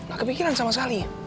gak kepikiran sama sekali